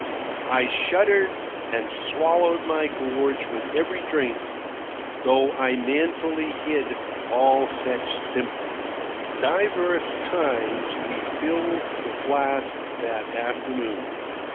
I shuddered and swallowed my gorge with every drink, though I manfully hid all such symptoms. Divers times we filled the flask that afternoon.